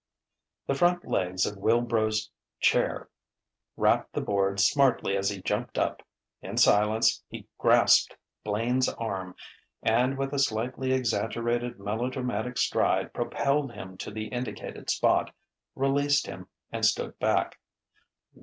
The front legs of Wilbrow's chair rapped the boards smartly as he jumped up. In silence, he grasped Blaine's arm and with a slightly exaggerated melodramatic stride propelled him to the indicated spot, released him, and stood back.